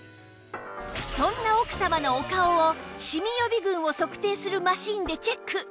そんな奥様のお顔をシミ予備軍を測定するマシンでチェック